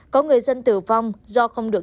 có người dân tử vong do không được